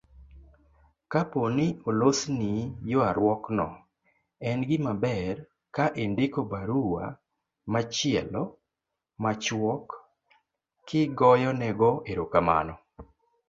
Kapo ni olosni ywaruokno, en gimaber ka indiko barua machielo machuok kigoyonego erokamano